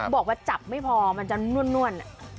บอกว่าจับไม่พอมันจะน่วน